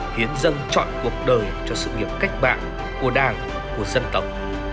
hiến dân chọn cuộc đời cho sự nghiệp cách mạng của đảng của dân tộc